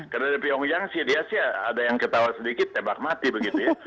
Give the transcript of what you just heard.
karena di pyongyang dia sih ada yang ketawa sedikit tebak mati begitu ya